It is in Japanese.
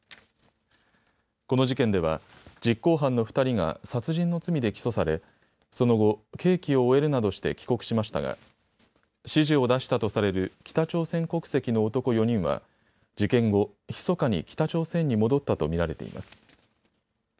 この事件では実行犯の２人が殺人の罪で起訴されその後、刑期を終えるなどして帰国しましたが指示を出したとされる北朝鮮国籍の男４人は、事件後、ひそかに北朝鮮に戻ったと見られています。